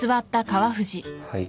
はい。